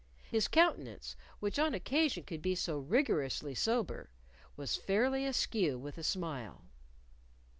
His countenance, which on occasion could be so rigorously sober, was fairly askew with a smile.